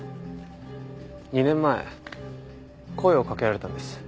２年前声をかけられたんです。